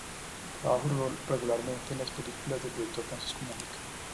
Trabajó regularmente en las películas del director Francisco Mugica.